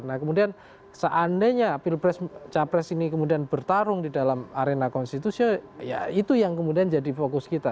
nah kemudian seandainya capres ini kemudian bertarung di dalam arena konstitusi ya itu yang kemudian jadi fokus kita